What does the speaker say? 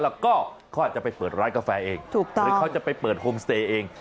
แล้วก็เขาอาจจะไปเปิดร้านกาแฟเองถูกต้องหรือเขาจะไปเปิดโฮมสเตย์เอง